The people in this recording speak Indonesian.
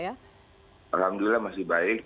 alhamdulillah masih baik